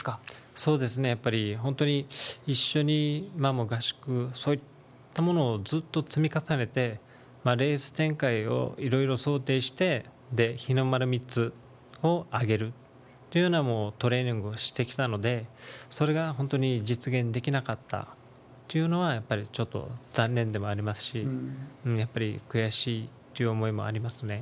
そうですね、やっぱり本当に一緒に合宿、そういったものをずっと積み重ねて、レース展開をいろいろ想定して、日の丸３つを揚げるというトレーニングをしてきたので、それが本当に実現できなかったというのは、やっぱりちょっと残念でもありますし、やっぱり悔しいという思いもありますね。